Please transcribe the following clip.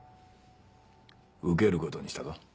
受けることにしたぞ。